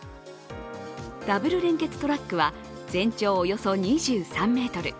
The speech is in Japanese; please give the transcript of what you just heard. ダブル連結トラックは全長およそ２３ｍ。